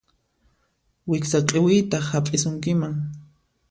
Wiksa q'iwiytaq hap'isunkiman.